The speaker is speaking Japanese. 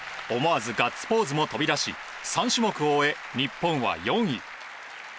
思わずガッツポーズも飛び出し３種目を終え、日本は４位。